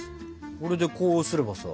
これでこうすればさ。